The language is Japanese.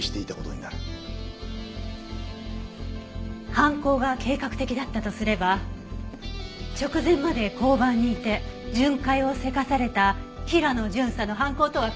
犯行が計画的だったとすれば直前まで交番にいて巡回をせかされた平野巡査の犯行とは考えにくい。